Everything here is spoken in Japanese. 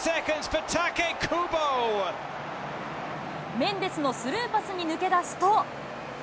メンデスのスルーパスに抜け出すと。